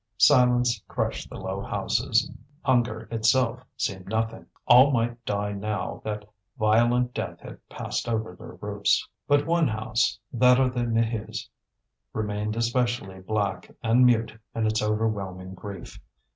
Silence crushed the low houses. Hunger itself seemed nothing; all might die now that violent death had passed over their roofs. But one house, that of the Maheus, remained especially black and mute in its overwhelming grief.